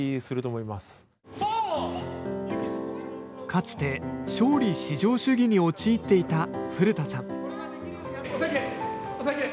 かつて勝利至上主義に陥っていた古田さんおさえて！